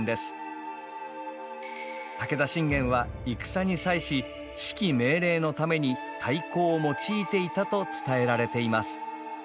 武田信玄は戦に際し指揮・命令のために太鼓を用いていたと伝えられています。